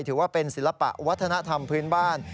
ถือว่าเป็นศิลปะวัฒนธรรมพื้นบ้าน